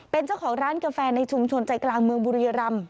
เป็นเจ้าของร้านกาแฟในชุมชนใจกลางเมืองบุรียรำ